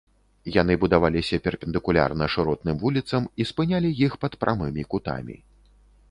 Яны будаваліся перпендыкулярна шыротным вуліцам і спынялі іх пад прамымі кутамі.